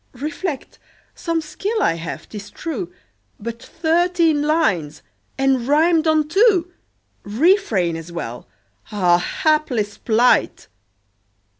Reflect. Some skill I have, 'tis true; But thirteen lines! and rimed on two! "Refrain" as well. Ah, Hapless plight!